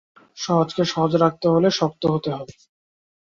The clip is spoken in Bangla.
সহজকে সহজ রাখতে হলে শক্ত হতে হয়।